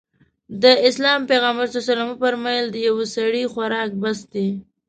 د اسلام پيغمبر ص وفرمايل د يوه سړي خوراک بس دی.